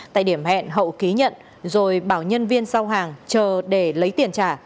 tại điểm hẹn hậu ký nhận rồi bảo nhân viên giao hàng chờ để lấy tiền trả